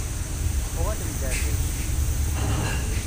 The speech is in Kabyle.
Uɣalem-d ar daki.